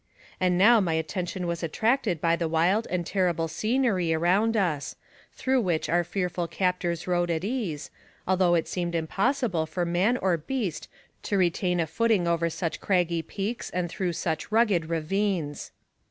And now my attention was attracted by the wild and terrible scenery around us, through which our fearful captors rode at ease, although it seemed impossible for man or beast to retain a footing over such craggy peaks and through such rugged ravines.